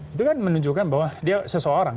itu kan menunjukkan bahwa dia seseorang